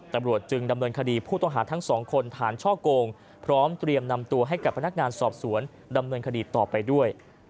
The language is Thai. ตำรวจจึงดำเนินคดีผู้ต้องหาทั้งสองคนฐานช่อโกงพร้อมเตรียมนำตัวให้กับพนักงานสอบสวนดำเนินคดีต่อไปด้วย